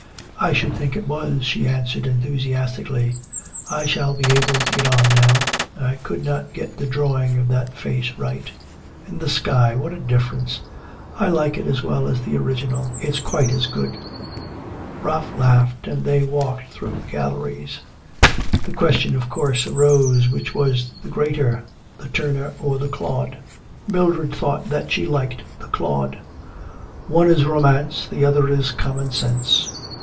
'I should think it was,' she answered enthusiastically. 'I shall be able to get on now. I could not get the drawing of that face right. And the sky what a difference! I like it as well as the original. It's quite as good.' Ralph laughed, and they walked through the galleries. The question, of course, arose, which was the greater, the Turner or the Claude? Mildred thought that she liked the Claude. 'One is romance, the other is common sense.'